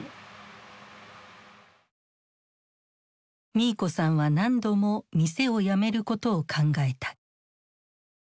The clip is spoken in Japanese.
ミーコさんは何度も店を辞めることを考えた。